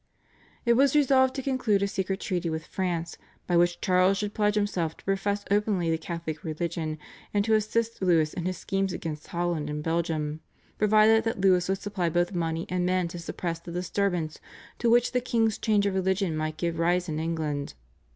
It was resolved to conclude a secret treaty with France by which Charles should pledge himself to profess openly the Catholic religion and to assist Louis in his schemes against Holland and Belgium, provided that Louis would supply both money and men to suppress the disturbance to which the king's change of religion might give rise in England.